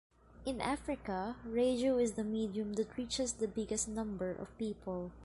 In Africa, radio is the medium that reaches the biggest number of people.